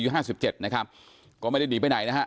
ห้าสิบเจ็ดนะครับก็ไม่ได้หนีไปไหนนะฮะ